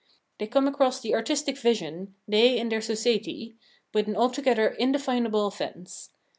They come across the artistic vision, they and their Soseiti, with an altogether indefinable offence.